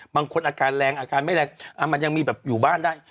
บางคนอาการแรงอาการไม่แรงมันยังมีแบบอยู่บ้านได้